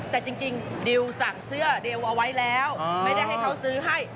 แต่จริงดิวสั่งเสื้อดิวเอาไว้แล้วไม่ได้ให้เขาซื้อให้